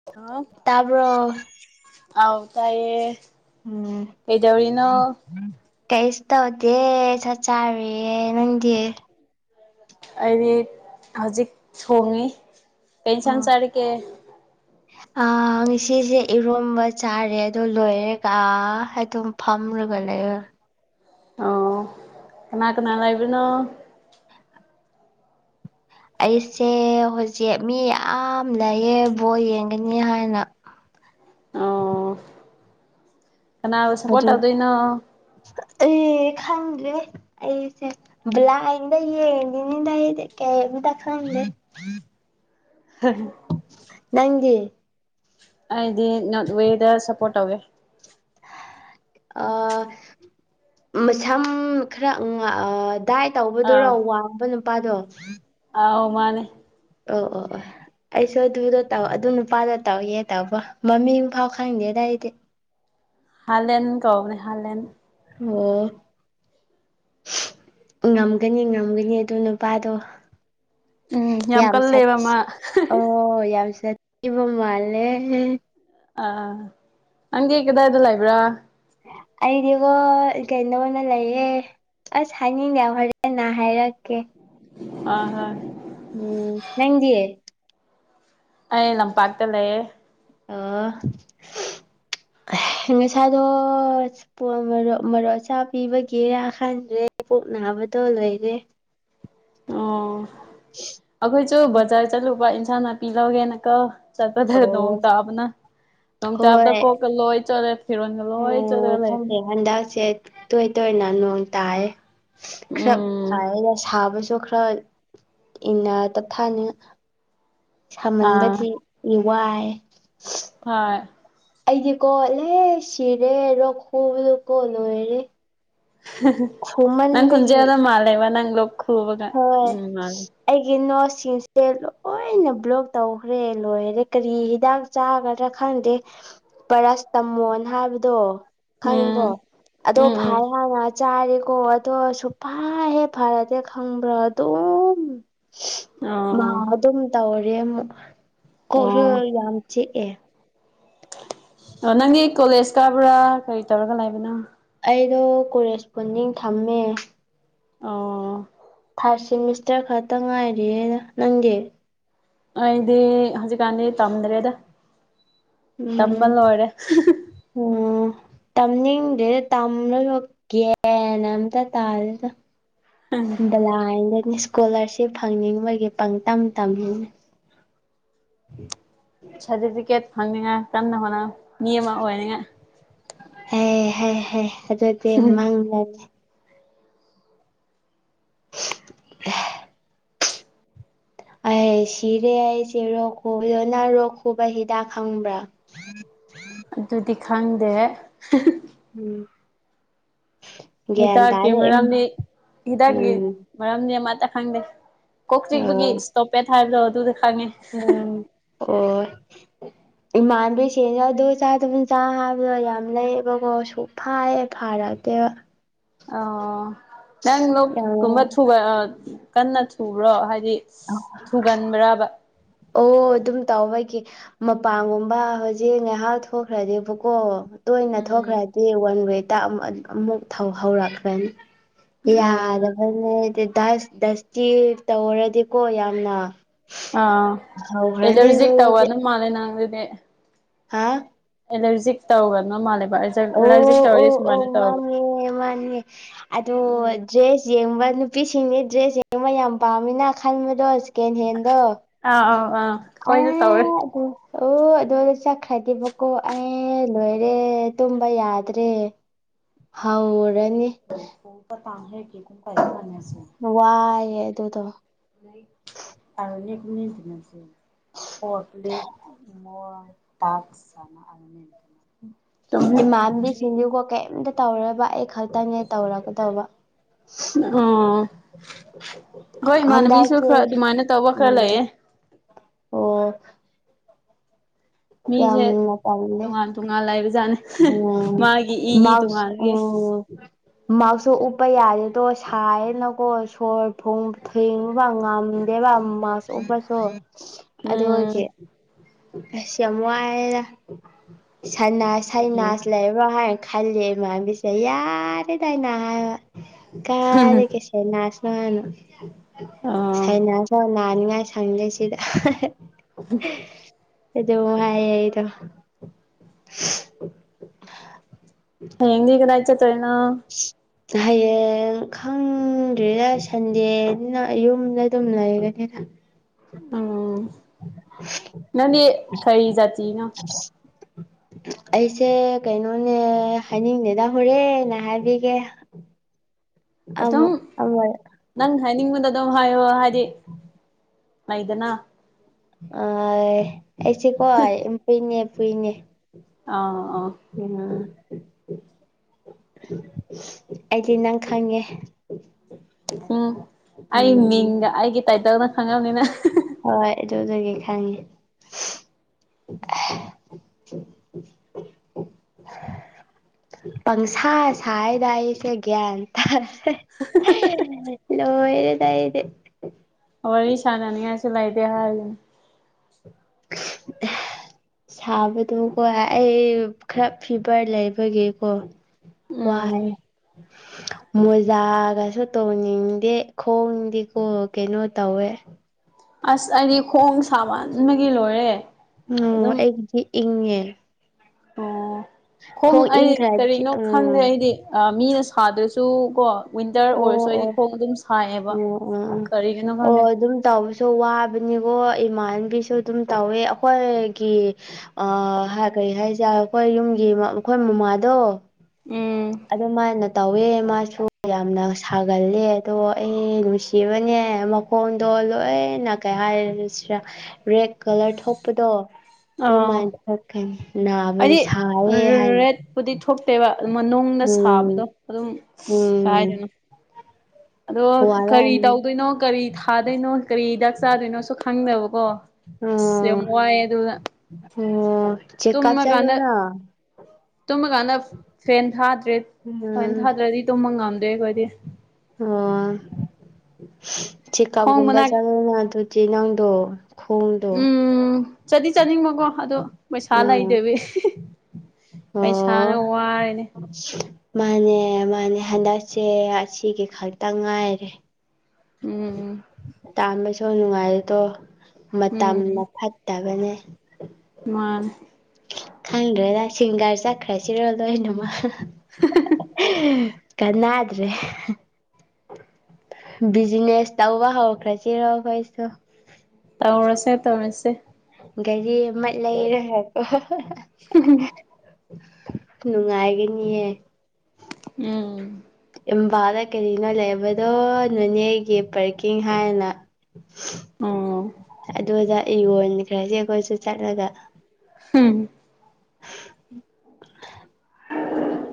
[unintelligible] ꯇꯥꯕ꯭ꯔꯣ ꯑꯥꯎ ꯇꯥꯏꯌꯦ ꯎꯝ ꯀꯩꯗꯧꯔꯤꯅꯣ ꯀꯩꯁꯨ ꯇꯧꯗꯦ ꯆꯥꯛ ꯆꯥꯔꯤꯌꯦ ꯅꯪꯗꯤ ꯑꯩꯗꯤ ꯍꯧꯖꯤꯛ ꯊꯣꯡꯉꯤ ꯀꯩ ꯏꯟꯁꯥꯡ ꯑꯣ ꯆꯥꯔꯒꯦ ꯑꯥ ꯉꯁꯤꯁꯦ ꯏꯔꯣꯝꯕ ꯆꯥꯔꯦ ꯑꯗꯣ ꯂꯣꯏꯔꯦꯒ ꯑꯗꯨꯝ ꯐꯝꯂꯒ ꯂꯩꯔꯦ ꯑꯣ ꯀꯅꯥ ꯀꯅꯥ ꯂꯩꯕꯅꯣ ꯑꯩꯁꯦ ꯍꯧꯖꯤꯛ ꯃꯤ ꯌꯥꯝ ꯂꯩꯌꯦ ꯕꯣꯜ ꯌꯦꯡꯒꯅꯤ ꯍꯥꯏꯅ ꯑꯣ ꯀꯅꯥꯕꯨ ꯁꯄꯣꯠ ꯇꯧꯗꯣꯏꯅꯣ ꯑꯩ ꯈꯪꯗ꯭ꯔꯦ ꯑꯩꯁꯦ ꯕ꯭ꯂꯥꯏꯟꯗ ꯌꯦꯡꯉꯤꯃꯤꯗ ꯑꯩꯗꯤ ꯀꯩꯝꯇꯥ ꯈꯪꯗ꯭ꯔꯦ [unintelligible] ꯅꯪꯗꯤ ꯑꯩꯗꯤ ꯅꯣꯔꯠ ꯋꯦꯗ ꯁꯞꯄꯣꯔꯠ ꯇꯧꯋꯦ ꯑ ꯃꯁꯝ ꯈꯔ [unintelligible] ꯗꯥꯏ ꯑꯥꯎ ꯇꯧꯕꯗꯨꯔꯣ ꯋꯥꯡꯕ ꯅꯨꯄꯥꯗꯣ ꯑꯥꯎ ꯃꯥꯅꯦ ꯑꯣ ꯑꯣ ꯑꯣ ꯑꯩꯁꯨ ꯑꯗꯨꯗ ꯇꯧ ꯑꯗꯨ ꯅꯨꯄꯥꯗ ꯇꯧꯌꯦ ꯇꯧꯕ ꯃꯃꯤꯡ ꯐꯥꯎ ꯈꯪꯗꯦꯗ ꯑꯩꯗꯤ ꯍꯂꯦꯟ ꯀꯥꯎꯕꯅꯦ ꯍꯂꯦꯟ ꯑꯣ ꯉꯝꯒꯅꯤ ꯉꯝꯒꯅꯤ ꯑꯗꯨ ꯅꯨꯄꯥꯗꯣ ꯎꯝ ꯌꯥꯝ ꯀꯜꯂꯦꯕ ꯁꯥꯠꯊꯤ ꯃꯥ ꯑꯣ ꯌꯥꯝ ꯁꯥꯠ [unintelligible] ꯃꯥꯂꯦ ꯑꯥ ꯅꯪꯗꯤ ꯀꯗꯥꯏꯗ ꯂꯩꯕ꯭ꯔꯥ ꯑꯩꯗꯤꯒꯣ ꯀꯩꯅꯣꯅ ꯂꯩꯌꯦ ꯑꯁ ꯍꯥꯏꯅꯤꯡꯗꯦ ꯍꯣꯔꯦꯟꯅ ꯍꯥꯏꯔꯛꯀꯦ ꯑ ꯍꯣꯏ ꯎꯝ ꯅꯪꯗꯤ ꯑꯩ ꯂꯝꯄꯥꯛꯇ ꯂꯩꯌꯦ ꯑꯣ ꯉꯁꯥꯏꯗꯣ [unintelligible] ꯃꯔꯣꯛ ꯆꯥ ꯄꯤꯕꯒꯦꯔ ꯈꯟꯗ꯭ꯔꯦ ꯄꯣꯛ ꯅꯥꯕꯗꯣ ꯂꯣꯏꯔꯦ ꯑꯣ ꯑꯩꯈꯣꯏꯁꯨ ꯕꯖꯥꯔ ꯆꯠꯂꯨꯕ ꯏꯟꯁꯥꯡ ꯅꯥꯄꯤ ꯂꯧꯒꯦꯅ ꯀꯣ ꯆꯠꯄꯗ ꯑꯣ ꯅꯣꯡꯇꯥꯕꯅ ꯅꯣꯡ ꯇꯥꯕꯗ ꯍꯣꯏ ꯀꯣꯛꯀ ꯂꯣꯏ ꯆꯣꯠꯂꯦ [unintelligible] ꯔꯣꯟꯒ ꯂꯣꯏ ꯆꯠꯂꯥ ꯎꯝ ꯂꯩ ꯈꯪꯗꯦ ꯍꯟꯗꯛꯁꯦ ꯇꯣꯏ ꯇꯣꯏꯅ ꯅꯣꯡ ꯇꯥꯏ ꯈꯔ ꯎꯝ ꯐꯥꯏꯗ ꯁꯥꯕꯁꯨ ꯈꯔ ꯏꯅꯥ ꯇꯞꯊꯥꯅꯤ ꯑꯥ ꯁꯥꯃꯟꯕꯗꯤ ꯏꯋꯥꯏ [unintelligible] ꯑꯩꯗꯤ ꯀꯣꯠꯂꯦ ꯁꯤꯔꯦ ꯔꯣꯛ ꯈꯨꯨꯕꯗꯣ ꯀꯣ ꯂꯣꯏꯔꯦ [unintelligible] ꯅꯪ ꯈꯨꯃꯟꯕꯒꯤ ꯈꯨꯨꯟꯖꯦꯗ ꯃꯥꯂꯦꯕ ꯅꯪ ꯂꯣ ꯈꯨꯕꯒ ꯍꯣꯏ ꯎꯝ ꯃꯥꯂꯦ ꯑꯩꯒꯤ ꯅꯣꯠꯁꯤꯡꯁꯦ ꯂꯣꯏꯅ ꯕ꯭ꯂꯣꯛ ꯇꯧꯈ꯭ꯔꯦ ꯂꯣꯏꯔꯦ ꯀꯔꯤ ꯍꯤꯗꯥꯛ ꯆꯥꯒꯗ꯭ꯔꯥ ꯈꯪꯗꯦ ꯄꯔꯁ ꯇꯝꯃꯣꯟ ꯍꯥꯏꯕꯗꯣ ꯎꯝ ꯈꯪꯉꯤꯀꯣ ꯑꯗꯣ ꯎꯝ ꯎꯝ ꯐꯥꯏ ꯍꯅ ꯆꯥꯔꯤꯀꯣ ꯑꯗꯣ ꯁꯨꯐ ꯍꯦꯛ ꯐꯔꯗꯦ ꯈꯪꯕ꯭ꯔꯥ ꯑꯗꯨꯝ ꯃꯥ ꯑꯣ ꯑꯗꯨꯝ ꯇꯧꯔꯦ ꯑꯃꯨꯛ ꯀꯣꯏꯁꯨ ꯑꯣ ꯌꯥꯝ ꯆꯤꯛꯑꯦ ꯑꯣ ꯅꯪꯒꯤ ꯀꯣꯂꯦꯖ ꯀꯥꯕ꯭ꯔꯥ ꯀꯔꯤ ꯇꯧꯔꯒ ꯂꯥꯛꯕꯅꯣ ꯑꯩꯗꯣ ꯀꯦꯁꯄꯣꯟꯗꯤꯡ ꯊꯝꯃꯦ ꯑꯣ ꯊꯥꯔꯠ ꯁꯦꯃꯤꯁꯇꯔ ꯈꯛꯇ ꯉꯥꯏꯔꯤꯌꯦ ꯅꯪꯗꯤ ꯑꯩꯗꯤ ꯍꯧꯖꯤꯛꯀꯥꯟꯗꯤ ꯇꯝꯗ꯭ꯔꯦꯗ ꯎꯝ ꯇꯝꯕ ꯂꯣꯏꯔꯦ ꯑꯣꯝ ꯇꯝꯅꯤꯡꯗꯦꯗ ꯇꯝꯂꯣꯏꯕ ꯒꯦꯅ ꯑꯝꯇ ꯇꯥꯗꯦꯗ ꯕꯂꯥꯗꯅꯦ ꯏꯁꯀꯣꯂꯥꯔꯁꯤꯞ ꯐꯪꯅꯤꯡꯕꯒꯤ ꯄꯪꯝ ꯇ [unintelligible] [unintelligible] ꯁꯥꯔꯇꯤꯐꯤꯀꯦꯠ ꯐꯪꯅꯤꯉꯥꯏ ꯀꯟꯅ ꯍꯣꯠꯅ ꯃꯤ ꯑꯃ ꯑꯣꯏꯅꯤꯉꯥꯏ ꯍ ꯍꯥꯏ ꯍꯥꯏ ꯑꯗꯨꯗꯤ ꯃꯥꯡꯗꯗꯦ [unintelligible] ꯑꯩ ꯁꯤꯔꯦ ꯑꯩꯁꯦ ꯔꯣꯛ ꯈꯨꯕꯗꯣꯅ ꯔꯣꯛ ꯈꯨꯕ ꯍꯤꯗꯥꯛ ꯈꯪꯕ꯭ꯔꯥ ꯑꯗꯨꯗꯤ ꯈꯪꯗꯦ ꯎꯝ ꯒ꯭ꯌꯥꯟ ꯍꯤꯇꯥꯀꯤ ꯇꯥꯔꯦ ꯎꯝ ꯃꯦꯗꯥꯝꯅꯤ ꯍꯤꯇꯥꯀꯤ ꯎꯝ ꯃꯔꯝꯗꯤ ꯑꯃꯠꯇ ꯈꯪꯗꯦ ꯀꯣꯛ ꯊꯤꯛꯄꯒꯤ ꯏꯁꯇꯣꯞꯄꯦꯠ ꯍꯥꯏꯕꯗꯣ ꯑꯗꯨꯗ ꯈꯪꯉꯦ ꯑꯣ ꯑꯣ ꯎ ꯏꯃꯥꯟꯕꯤꯁꯤꯡꯅ ꯑꯗꯨ ꯆꯥꯗꯐꯝ ꯆꯥ ꯍꯥꯏꯕꯗꯣ ꯌꯥꯝ ꯂꯩꯌꯦꯕꯀꯣ ꯁꯨꯛ ꯐꯌꯦ ꯐꯔꯛꯛꯇꯦꯕ ꯑꯣ ꯅꯪ ꯂ ꯌꯥꯝ ꯀꯨꯝꯕ ꯀꯟꯅ ꯊꯨꯕ꯭ꯔꯣ ꯍꯥꯏꯗꯤ ꯊꯨꯒꯟꯕ꯭ꯔꯕ ꯑꯣ ꯑꯗꯨꯝ ꯇꯥꯎꯕꯒꯤ ꯃꯄꯥꯟꯒꯨꯝꯕ ꯍꯧꯖꯤꯛ ꯉꯥꯏꯍꯥꯛ ꯊꯣꯛꯈ꯭ꯔꯗꯤꯦꯕꯀꯣ ꯇꯣꯏꯅ ꯎꯝ ꯊꯣꯛꯈ꯭ꯔꯗꯤ ꯋꯥꯟ ꯋꯦꯛꯇ ꯑꯃꯨꯛ ꯍꯧꯔꯛꯈ꯭ꯔꯅꯤ ꯎꯝ ꯌꯥꯗꯕꯅꯦ ꯗꯁ ꯗꯁꯀꯤꯤ ꯇꯧꯔꯗꯤꯀꯣ ꯌꯥꯝꯅ ꯑ ꯍꯧꯈ꯭ꯔꯅꯤ ꯑꯦꯂꯔꯖꯤ ꯑꯗꯨꯗꯤ ꯇꯧꯋꯥꯅ ꯃꯥꯜꯂꯦ ꯅꯪ ꯑꯗꯨꯗꯤ ꯍꯥꯥ ꯑꯦꯂꯔꯖꯤ ꯇꯧꯒꯣ ꯃꯥꯂꯦꯔ ꯑꯣ ꯑꯣ ꯑꯣ ꯃꯥꯥꯟꯦ ꯃꯥꯥꯟꯉꯦ ꯑꯣ ꯎꯝ ꯗ꯭ꯔꯦꯁ ꯌꯦꯡꯕ ꯅꯨꯄꯤꯁꯤꯡꯅꯦ ꯗ꯭ꯔꯦꯁ ꯌꯦꯡꯕ ꯌꯥꯝ ꯄꯥꯝꯃꯤꯅ ꯈꯟꯕꯗꯣ ꯁꯦꯀꯦꯟ ꯍꯦꯟꯗꯣ ꯑꯥ ꯑꯥꯎ ꯑꯥ ꯑꯩꯈꯣꯏꯁꯨ ꯇꯧꯔꯦ ꯑꯗ ꯑꯣ ꯑꯗꯨꯣ ꯆꯠꯈ꯭ꯔꯗꯦꯕꯀꯣ ꯑꯩ ꯂꯣꯏꯔꯦ ꯇꯨꯝꯕ ꯌꯥꯗ꯭ꯔꯦ ꯍꯧꯔꯅꯤ ꯍ ꯄ ꯇ ꯍꯥꯏ ꯀꯀꯨ ꯀꯥꯏ ꯐꯁꯤ ꯋꯥꯏꯌꯦꯦ ꯑꯗꯨꯗꯣ ꯅꯤꯇꯅꯁꯤ [unintelligible] ꯄꯣꯈꯂꯤꯃ [unintelligible] ꯇꯥꯛ [unintelligible] ꯁꯅ [unintelligible] ꯅꯇ [unintelligible] ꯏꯃꯥꯟꯕꯤꯁꯤꯡꯗꯤꯀꯣ ꯀꯩꯝꯇ ꯇꯧꯔꯣꯏꯕ ꯑꯩ ꯈꯛꯇꯪꯅꯦ ꯇꯧꯔꯛꯀꯗꯕ ꯑꯣ ꯑꯈꯣꯏ ꯏꯃꯥꯟꯅꯕꯤꯁꯨ ꯈꯔ ꯍꯟꯗꯛꯁꯦ ꯑꯗꯨꯃꯥꯏꯅ ꯇꯧꯕ ꯈꯔ ꯎꯝ ꯂꯩꯌꯦ ꯑꯣ ꯃꯤꯁꯦ ꯌꯥꯝꯅ ꯇꯣꯉꯥꯟ ꯇꯣꯉꯥꯟ ꯂꯩꯕꯖꯥꯠꯅꯤ ꯑꯣ ꯃꯥꯒꯤ ꯏ ꯏ ꯗꯥꯁꯛ ꯇꯣꯉꯥꯟꯕꯒꯤ ꯑꯣ ꯃꯥꯛꯁꯁꯨ ꯎꯞꯄ ꯌꯥꯗꯦꯗꯣ ꯁꯥꯏꯌꯦꯅꯀꯣ ꯁꯣꯔ ꯐꯨꯟ ꯊꯦꯡꯕ ꯉꯝ ꯗꯦꯕ ꯃꯥꯛꯁ ꯎꯞꯄꯁꯨ ꯎꯝ ꯑꯗꯨꯒꯤ ꯑꯁ ꯌꯥꯝ ꯋꯥꯏꯗ ꯁꯅ ꯎꯝ ꯁꯥꯏꯅꯥꯁ ꯂꯩꯥꯔꯕ ꯍꯥꯏꯅ ꯈꯜꯂꯦ ꯏꯃꯥꯕꯤꯁ ꯌꯥꯔꯦ ꯍꯥꯏꯅ ꯍꯥꯏꯕ ꯀꯥꯔꯤꯒꯤ ꯁꯥꯏꯅꯥꯥꯁꯅꯣ ꯍꯥꯏꯅ ꯑꯥ ꯁꯥꯏꯅꯥꯁꯨ ꯅꯥꯅꯤꯉꯥꯏ ꯁꯪꯗꯦ ꯁꯤꯗ ꯑꯗꯨ [unintelligible] ꯑꯗꯨꯕꯨ ꯍꯥꯏꯌꯦ ꯑꯩꯗꯨ ꯎ [unintelligible] ꯍꯌꯦꯡꯗꯤ ꯀꯗꯥꯏ ꯆꯠꯇꯣꯏꯅꯣ ꯎꯝ [unintelligible] ꯍꯌꯦꯡ ꯈꯪꯗ꯭ꯔꯤꯗ ꯁꯟꯗꯦꯅꯤꯅ ꯌꯨꯝꯗ ꯑꯗꯨꯝ ꯂꯩꯔꯒꯦꯗ ꯎꯝ ꯅꯪꯗꯤ ꯀꯔꯤ ꯖꯥꯇꯤꯅꯣ ꯑꯩꯁꯦ ꯀꯩꯅꯣꯅꯦ ꯍꯥꯏꯅꯤꯡꯗꯦꯗ ꯍꯣꯔꯦꯟꯅ ꯍꯥꯏꯕꯤꯒꯦ ꯑꯗꯨꯝ ꯑꯃꯨꯛ ꯑꯃ ꯅꯪ ꯍꯥꯏꯅꯤꯡꯕꯗ ꯑꯗꯨꯝ ꯍꯥꯏꯌꯣ ꯍꯥꯏꯗꯤ ꯂꯩꯗꯅ ꯑ ꯑꯩꯁꯦꯀꯣ ꯌꯝ ꯀꯨꯏꯅꯦ ꯄꯨꯨꯏꯅꯦ ꯑꯥ ꯑꯥ [unintelligible] ꯑꯩꯗꯤ ꯅꯪ ꯈꯪꯉꯦ ꯎꯝ ꯑꯩ ꯎꯝ ꯃꯤꯡꯒ ꯑꯩꯒꯤ ꯇꯥꯏꯇꯜꯅ ꯈꯪꯉꯝꯅꯤꯅ ꯍꯣꯏ ꯑꯗꯨꯗꯒꯤ ꯈꯪꯉꯤ [inaudible] ꯄꯪꯁꯥ ꯁꯥꯏꯗ ꯑꯩꯁꯦ ꯒ꯭ꯥꯌꯟ ꯇꯥ ꯂꯣꯏꯔꯦꯗ ꯑꯩꯗꯤ ꯋꯥꯔꯤ ꯁꯥꯟꯅꯅꯤꯡꯉꯥꯏꯁꯨ ꯂꯩꯇꯦ ꯍꯥꯏꯔꯤꯅꯤ [unintelligible] ꯁꯥꯕꯗꯣꯀꯣ ꯑꯩ ꯈꯔ ꯐꯤꯚꯔ ꯂꯩꯕꯒꯤꯀꯣ ꯋꯥꯏ ꯎꯝ ꯃꯣꯖꯥꯒꯁꯨ ꯇꯣꯅꯤꯡꯗꯦ ꯈꯣꯡꯗꯤꯀꯣ ꯀꯩꯅꯣ ꯇꯧꯋꯦ ꯑꯁ ꯑꯩꯗꯤ ꯈꯣꯡ ꯁꯥꯃꯟꯕꯒꯤ ꯂꯣꯏꯔꯦ ꯑꯣ ꯑꯗꯨꯝ ꯑꯩꯒꯤꯗꯤ ꯏꯪꯉꯦ ꯑꯣ ꯈꯣꯡ ꯑꯩ ꯏꯪꯈ꯭ꯔꯗꯤ ꯀꯔꯤꯅꯣ ꯈꯪꯗꯦ ꯎꯝ ꯑꯩꯗꯤ ꯑꯥ ꯃꯤꯅ ꯁꯥꯗ꯭ꯔꯁꯨ ꯀꯣ ꯋꯤꯟꯇꯔ ꯑꯣ ꯑꯣꯏꯔꯁꯨ ꯑꯩꯗꯤ ꯑꯣ ꯈꯣꯡ ꯑꯗꯨꯝ ꯁꯥꯏꯌꯦꯕ ꯑꯣ ꯑꯣ ꯑꯣ ꯀꯔꯤꯒꯤꯅꯣ ꯑꯣ ꯈꯪꯗꯦ ꯑꯗꯨꯝ ꯇꯧꯕꯅꯤ ꯋꯥꯕꯅꯤꯀꯣ ꯏꯃꯥꯟꯅꯕꯤꯁꯨ ꯑꯗꯨꯝ ꯇꯧꯋꯦ ꯑꯩꯈꯣꯏꯒꯤ ꯑ ꯀꯔꯤ ꯍꯥꯏꯁꯤꯔ ꯑꯩꯈꯣꯏ ꯌꯨꯝꯒꯤ ꯑꯩꯈꯣꯏ ꯃꯃꯥꯗꯣ ꯎꯝ ꯑꯗꯨ ꯃꯥꯏꯅ ꯇꯧꯋꯦ ꯃꯥꯁꯨ ꯌꯥꯝꯅ ꯁꯥꯒꯜꯂꯦ ꯑꯗꯣ ꯑꯩ ꯅꯨꯡ [unintelligible] ꯁꯤꯕꯅꯦ ꯃꯈꯣꯡꯗꯣ ꯂꯣꯏꯅ ꯀꯩ ꯍꯥꯏꯔꯁꯤꯔꯥ ꯔꯦꯠ ꯀꯂꯔ ꯊꯣꯛꯄꯗꯣ ꯑꯥ ꯀꯛꯈꯅꯤ [unintelligible] ꯅꯥꯕꯗ ꯁꯥꯕꯒꯤ ꯍꯥꯏꯅꯤ ꯄꯨꯗꯤ ꯊꯣꯛꯇꯦꯕ ꯑꯗꯨ ꯃꯅꯨꯡꯅ ꯁꯥꯕꯗꯣ ꯎꯝ ꯑꯗꯨꯝ ꯀꯩ ꯎꯝ ꯍꯥꯏꯗꯣꯏꯅꯣ ꯑꯗꯣ ꯀꯔꯤ ꯋꯥꯔꯝ ꯇꯧꯗꯣꯏꯅꯣ ꯀꯔꯤ ꯊꯥꯗꯣꯏꯅꯣ ꯀꯔꯤ ꯍꯤꯗꯥꯛ ꯆꯥꯗꯣꯏꯅꯣꯁꯨ ꯈꯪꯗꯕꯀꯣ ꯑꯁ ꯌꯥꯝ ꯑꯣ ꯋꯥꯏꯑꯦ ꯑꯗꯨꯅ ꯑꯣ ꯆꯦꯀꯑ ꯇꯨꯝꯃꯀꯥꯟꯗ ꯆꯂꯅ ꯇꯨꯝꯃꯀꯥꯟꯗ ꯐꯦꯟ ꯊꯥꯗ꯭ꯔꯦ ꯐꯦꯟ ꯎꯝ ꯊꯥꯗ꯭ꯔꯗꯤ ꯇꯨꯝꯕ ꯉꯝꯗ꯭ꯔꯦ ꯑꯩꯈꯣꯏꯗꯤ ꯑꯣ ꯈꯣꯡ ꯆꯤꯀꯞꯒꯨꯝꯕ ꯃꯅꯥꯛ ꯆꯪꯉꯅ ꯑꯗꯨꯗꯤ ꯅꯪꯗꯣ ꯈꯣꯡꯗꯣ ꯎꯝ ꯆꯠꯗꯤ ꯆꯅꯤꯡꯕꯀꯣ ꯑꯗꯣ ꯄꯩꯁꯥ ꯎꯝ ꯂꯩꯗꯕꯤ ꯄꯩꯁꯥꯅ ꯑꯣ ꯋꯥꯔꯅꯤ ꯃꯥꯅꯦ ꯃꯥꯅꯦ ꯍꯟꯗꯛꯁꯦ ꯑꯁꯤꯒꯤ ꯈꯛꯇ ꯉꯥꯏꯔꯦ ꯎꯝ ꯇꯥꯟꯕꯁꯨ ꯅꯨꯡꯉꯥꯏꯗꯣ ꯃꯇꯝꯅ ꯎꯝ ꯐꯠꯇꯕꯅꯦ ꯃꯥ ꯈꯪꯗ꯭ꯔꯦꯗ ꯁꯤꯡꯒꯥꯔ ꯆꯠꯈ꯭ꯔꯁꯤꯔꯣ ꯂꯣꯏꯅꯃ ꯀꯅꯥꯗ꯭ꯔꯦ ꯕꯤꯖꯤꯅꯦꯁ ꯇꯧꯕ ꯍꯧꯈ꯭ꯔꯦꯁꯤꯔꯣꯈꯣꯏꯁꯨ ꯇꯧꯔꯁꯦ ꯇꯧꯔꯁꯦ ꯒꯥꯔꯤ ꯑꯃ ꯂꯩꯔꯦꯀꯣ ꯅꯨꯡꯉꯥꯏꯒꯅꯤꯍ ꯎꯝ ꯏꯝꯕꯥꯜꯗ ꯀꯔꯤꯅꯣ ꯂꯩꯕꯗꯣ ꯅꯣꯅꯦꯒꯤ ꯄꯥꯔꯀꯤꯡ ꯍꯥꯏꯅ ꯑꯣ ꯑꯗꯨꯗ ꯑꯩ ꯌꯣꯟꯈ꯭ꯔꯁꯦ ꯑꯩꯈꯣꯏꯁꯨ ꯆꯠꯂꯒ ꯍꯝ [unintelligible]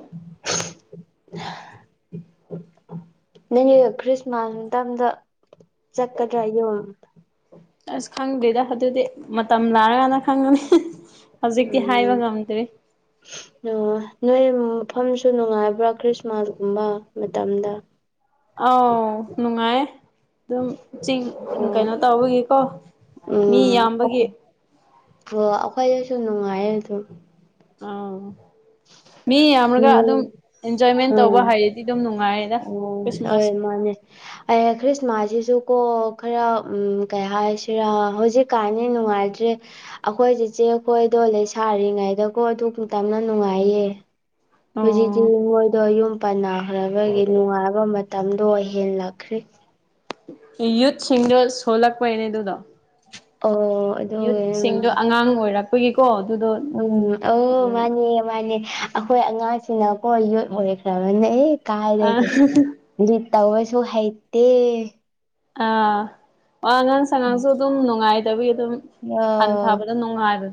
[unintelligible] ꯅꯪꯒꯤ ꯈ꯭ꯔꯤꯁꯃꯥꯁ ꯃꯇꯝꯗ ꯆꯠꯀꯗ꯭ꯔꯥ ꯌꯨꯝ ꯑꯁ ꯈꯪꯗ꯭ꯔꯤꯗ ꯑꯗꯨꯗꯤ ꯃꯇꯝ ꯂꯥꯔꯀꯥꯟꯅ ꯈꯪꯉꯅꯤ ꯍꯧꯖꯤꯛꯇꯤ ꯎꯝ ꯍꯥꯏꯕ ꯉꯝꯗ꯭ꯔꯤ ꯑꯣ ꯅꯣꯏ ꯃꯐꯝꯁꯨ ꯅꯨꯡꯉꯥꯏꯕ꯭ꯔꯥ ꯈ꯭ꯔꯤꯁꯃꯥꯁꯀꯨꯝꯕ ꯃꯇꯝꯗ ꯑꯥꯎ ꯅꯨꯡꯉꯥꯏ ꯑꯗꯨꯝ ꯆꯤꯡ ꯎꯝ ꯀꯩꯅꯣ ꯇꯧꯕꯒꯤꯀꯣ ꯃꯤ ꯌꯥꯝꯕꯒꯤ ꯑꯣ ꯑꯩꯈꯣꯏꯗꯁꯨ ꯅꯨꯡꯉꯥꯏꯌꯦ ꯑꯗꯨꯝ ꯑꯥꯎ ꯃꯤ ꯌꯥꯝꯔꯒ ꯎꯝ ꯑꯗꯨꯝ ꯑꯦꯟꯖꯣꯏꯃꯦꯟ ꯇꯧꯕ ꯎꯝ ꯍꯥꯏꯔꯗꯤ ꯑꯗꯨꯝ ꯅꯨꯡꯉꯥꯏꯌꯦꯗ ꯈ꯭ꯔꯤꯁꯃꯥꯁ ꯑꯦ ꯈ꯭ꯔꯤꯁꯃꯥꯁꯁꯤꯁꯨ ꯀꯣ ꯈꯔ ꯎꯝ ꯀꯩ ꯍꯥꯏꯁꯤꯔꯥ ꯍꯧꯖꯤꯛ ꯀꯥꯟꯗꯤ ꯅꯨꯡꯉꯥꯏꯇ꯭ꯔꯦ ꯑꯩꯈꯣꯏ ꯆꯦꯆꯦ ꯈꯣꯏꯗꯣ ꯂꯩ ꯁꯥꯔꯤꯉꯩꯗꯀꯣ ꯑꯗꯨ ꯃꯇꯝꯗ ꯅꯨꯡꯉꯥꯏꯌꯦ ꯍꯧꯖꯤꯛꯇꯤ ꯑꯣ ꯃꯣꯏꯗꯣ ꯌꯨꯝ ꯄꯥꯟꯅꯈ꯭ꯔꯕꯒꯤ ꯅꯨꯡꯉꯥꯏꯕ ꯃꯇꯝꯗꯣ ꯍꯦꯜꯂꯛꯈ꯭ꯔꯦ ꯌꯨꯠꯁꯤꯡꯗꯣ ꯁꯣꯜꯂꯛꯄꯩꯅꯦ ꯑꯗꯨꯗꯣ ꯑꯣ ꯑꯗꯨꯒꯤ ꯌꯨꯠꯁꯤꯡꯗꯣ ꯑꯉꯥꯡ ꯑꯣꯏꯔꯛꯄꯒꯤꯀꯣ ꯑꯗꯨꯗꯣ ꯎꯝ ꯑꯣ ꯎꯝ ꯃꯥꯅꯦ ꯃꯥꯅꯦ ꯑꯩꯈꯣꯏ ꯑꯉꯥꯡꯁꯤꯅꯀꯣ ꯌꯣꯠ ꯑꯣꯏꯈ꯭ꯔꯕꯅꯦ ꯑꯦ ꯑ ꯀꯥꯏꯔꯒꯦ ꯑꯗꯨ ꯇꯧꯔꯁꯨ ꯍꯩꯇꯦ ꯑꯥ ꯋꯥ ꯉꯥꯡ ꯁꯉꯥꯡꯁꯨ ꯑꯗꯨꯝ ꯅꯨꯡꯉꯥꯏꯗꯕꯒꯤ ꯑꯗꯨꯝ ꯑꯣ ꯍꯟꯊꯕꯗ ꯅꯨꯡꯉꯥꯏꯕ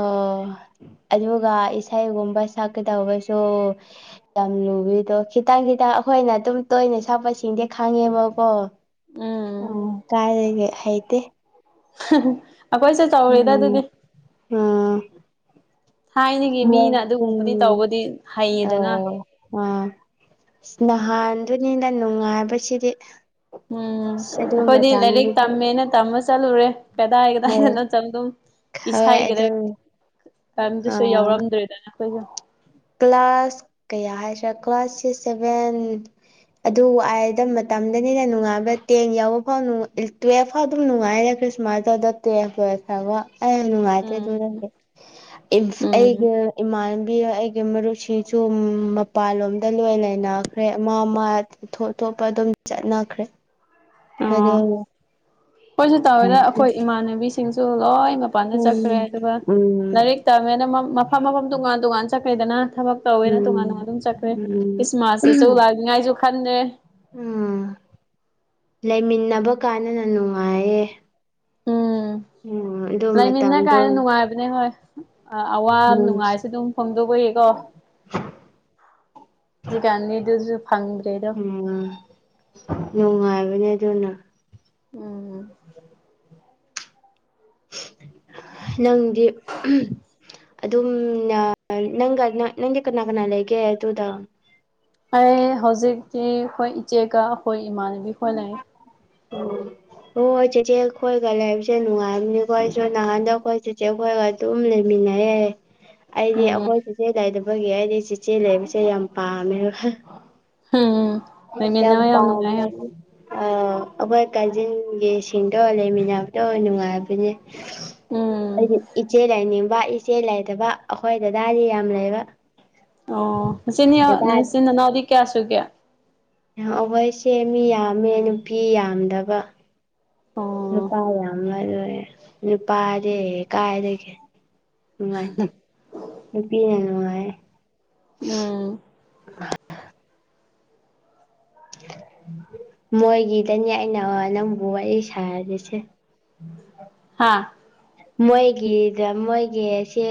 ꯑꯣ ꯑꯗꯨꯒ ꯏꯁꯩꯒꯨꯝꯕ ꯁꯛꯀꯗꯧꯕꯁꯨ ꯌꯥꯝ ꯂꯨꯕꯤꯗꯣ ꯈꯤꯇꯪ ꯈꯤꯇꯪ ꯑꯩꯈꯣꯏꯅ ꯑꯗꯨꯝ ꯇꯣꯏꯅ ꯁꯥꯛꯄꯁꯤꯡꯗꯤ ꯈꯥꯡꯉꯦꯕꯀꯣ ꯎꯝ ꯀꯥꯏꯗꯒꯤ ꯍꯩꯇꯦ ꯑꯈꯣꯏ ꯆꯠ ꯎꯝ ꯑꯥ ꯊꯥꯏꯅꯒꯤ ꯃꯤꯅ ꯑꯗꯨꯒꯨꯝꯕꯗꯤ ꯎꯝ ꯇꯧꯕꯗꯤ ꯍꯩꯌꯦꯗꯅ ꯑꯣ ꯑꯥ ꯅꯍꯥꯟꯗꯨꯅꯤꯅ ꯅꯨꯡꯉꯥꯏꯕꯁꯤꯗꯤ ꯎꯝ ꯑꯗꯨ ꯑꯩꯈꯣꯏꯗꯤ ꯂꯥꯏꯔꯤꯛ ꯃꯇꯝꯗꯨꯗꯤ ꯇꯝꯃꯦꯅ ꯇꯝꯃ ꯆꯠꯂꯨꯔꯦ ꯀꯗꯥꯏ ꯍꯣꯏ ꯀꯗꯥꯏꯗꯅꯣ ꯆꯝ ꯑꯗꯨꯝ ꯍꯣꯏ ꯏꯁꯥꯏꯒꯦꯗ ꯑꯗꯨ ꯇꯝꯗꯁꯨ ꯑꯥ ꯌꯥꯎꯔꯝꯗ꯭ꯔꯦꯗꯅ ꯑꯩꯈꯣꯏꯁꯨ ꯀ꯭ꯂꯥꯁ ꯀꯌꯥ ꯍꯥꯏꯁꯤ꯭ꯔꯦ ꯀ꯭ꯂꯥꯁ ꯁꯤꯛꯁ ꯁꯦꯚꯦꯟ ꯑꯗꯨ ꯋꯥꯏꯗ ꯃꯇꯝꯗꯅꯤꯅ ꯅꯨꯡꯉꯥꯏꯕ ꯇꯦꯟ ꯌꯥꯎꯕ ꯐꯥꯎ ꯇꯨꯋꯦꯜꯐ ꯐꯥꯎ ꯑꯗꯨꯝ ꯅꯨꯡꯉꯥꯏꯗ ꯈ꯭ꯔꯤꯁ ꯃꯥꯗꫭ ꯑꯗ ꯇꯨꯌ‌ꯦꯞ ꯂꫭꯏꯈꯔꯕ ꯑꯩ ꯌꯥꯝ ꯅꯨꯡꯉꯥꯏꯇ꯭ꯔꯦ ꯑꯗꯨ ꯎꯝ ꯎꯝ ꯑꯩꯒꯥ ꯏꯃꯥꯟꯕꯤꯒ ꯃꯔꯨꯞꯁꯤꯡꯁꯨ ꯃꯄꯥꯟꯂꯣꯝꯗ ꯂꯣꯏ ꯂꯩꯅꯈ꯭ꯔꯦ ꯃꯥ ꯃꯥ ꯊꯣꯞꯄ ꯑꯗꯨꯝ ꯆꯠꯅꯈ꯭ꯔꯦ ꯑꯣ [unintelligible] ꯑꯩꯈꯣꯏꯁꯨ ꯇꯧꯋꯦꯗ ꯎꯝ ꯑꯩꯈꯣꯏ ꯏꯃꯥꯟꯅꯕꯤꯁꯤꯡꯁꯨ ꯂꯣꯏ ꯃꯄꯥꯟꯗ ꯆꯠꯈ꯭ꯔꯦ ꯑꯗꯨꯒ ꯎꯝ ꯂꯥꯏꯔꯤꯛ ꯇꯝꯃꯦꯅ ꯃꯐꯝ ꯃꯐꯝ ꯇꯣꯉꯥꯟ ꯇꯣꯉꯥꯟ ꯆꯠꯈꯦꯗꯅ ꯊꯕꯛ ꯇꯧꯋꯦꯅ ꯇꯣꯉꯥꯟ ꯇꯣꯉꯥꯟ ꯎꯝ ꯑꯗꯨꯝ ꯆꯠꯈ꯭ꯔꯦ ꯈ꯭ꯔꯤꯃꯥꯁꯇꯆꯨ ꯎꯝ ꯂꯥꯛꯅꯤꯉꯥꯏꯁꯨ ꯈꯟꯗ꯭ꯔꯦ ꯎꯝ ꯂꯩꯃꯤꯟꯅꯕ ꯀꯥꯟꯗꯅ ꯅꯨꯡꯉꯥꯏꯌꯦ ꯎꯝ ꯑꯗꯨ ꯂꯩ ꯃꯤꯟꯅ ꯃꯇꯝꯗꯣ ꯀꯥꯟ ꯅꯨꯡꯉꯥꯏ ꯑꯗꯨꯅꯦ ꯍꯣꯏ ꯑꯋꯥ ꯎꯝ ꯅꯨꯡꯉꯥꯏꯁꯨꯦ ꯑꯗꯨꯝ ꯐꯣꯡꯗꯣꯛꯄꯌꯦꯀꯣ ꯍꯧꯖꯤꯛꯀꯥꯟꯗꯤ ꯑꯗꯨꯖꯨ ꯐꯪꯗ꯭ꯔꯦꯗꯣ ꯎꯝ ꯅꯨꯡꯉꯥꯏꯕꯅꯦ ꯑꯗꯨꯅ ꯎꯝ ꯅꯪꯗꯤ ꯑꯗꯨꯝ ꯅꯪꯒ ꯅꯪꯗꯤ ꯀꯅꯥ ꯀꯅꯥ ꯂꯩꯒꯦ ꯑꯗꯨꯗ ꯑꯩ ꯍꯧꯖꯤꯛꯇꯤ ꯑꯩꯈꯣꯏ ꯏꯆꯦꯒ ꯑꯩꯈꯣꯏ ꯏꯃꯥꯟꯅꯕꯤ ꯈꯣꯏ ꯂꯩ ꯎꯝ ꯍꯣꯏ ꯍꯣꯏ ꯆꯦꯆꯦ ꯈꯣꯏꯒ ꯂꯩꯕꯁꯦ ꯅꯨꯡꯉꯥꯏꯕꯅꯤ ꯈꯣꯏꯁꯨ ꯅꯍꯥꯟꯗ ꯑꯩꯈꯣꯏ ꯆꯦꯆꯦ ꯈꯣꯏꯒ ꯑꯗꯨꯝ ꯂꯩꯃꯤꯟꯅꯩ ꯌꯥꯏ [inaudible] ꯑꯩꯗꯤ ꯑꯩꯈꯣꯏ ꯆꯤꯆꯦ ꯂꯩꯗꯕꯒꯤ ꯑꯩꯗꯤ ꯆꯤꯆꯦ ꯂꯩꯕꯁꯦ ꯌꯥꯝ ꯄꯥꯝꯃꯦ ꯍꯝ ꯄꯝꯕ ꯑꯥꯎ ꯑꯩꯈꯣꯏ ꯀꯥꯖꯤꯡꯒꯤ ꯁꯤꯡꯗꯣ ꯂꯩꯃꯤꯟꯅꯕꯗꯣ ꯅꯨꯡꯉꯥꯏꯕꯅꯦ ꯎꯝ ꯑꯩꯗꯤ ꯏꯆꯦ ꯂꯥꯏꯅꯤꯡꯕ ꯏꯆꯦ ꯂꯩꯇꯕ ꯑꯩꯈꯣꯏ ꯗꯗꯥꯗꯤ ꯌꯥꯝ ꯂꯩꯕ ꯑꯣꯆꯤꯟꯅꯤ ꯗꯗꯥ ꯅꯆꯤꯟ ꯅꯅꯥꯎꯗꯤ ꯀꯌꯥ ꯁꯨꯒꯦ ꯉꯥꯛꯕ ꯏꯆꯦ ꯃꯤ ꯌꯥꯝꯃꯦ ꯅꯨꯄꯤ ꯌꯥꯝꯗꯕ ꯑꯣ ꯅꯨꯄꯥ ꯌꯥꯝ ꯂꯩ ꯅꯨꯄꯥꯗꯤ ꯀꯥꯏꯗꯒ‌ꯦ ꯅꯨꯡꯉꯥꯏꯇꯦ ꯅꯨꯄꯤꯅ ꯅꯨꯡꯉꯥꯏꯌ‌ꯦ ꯎꯝ ꯃꯣꯏꯒꯤꯗꯅꯦ ꯑꯩꯅ ꯅꯪꯕꯨ ꯋꯥꯔꯤ ꯁꯥꯔꯔꯤꯁꯦ ꯎꯝ [unintelligible] ꯍꯥꯥ ꯃꯣꯏꯒꯤꯗ ꯃꯣꯏꯒꯤꯁꯦ